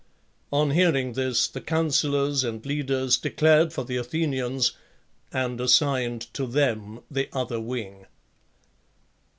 On hearing this, the councillors and leaders declared for the Athenians, and assigned to them the other wing.